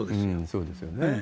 そうですよね。